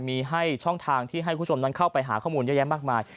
มีให้ช่องทางที่ให้คุณผู้ชมนั้นเข้าไปหาข้อมูลเยอะแยะมากมาย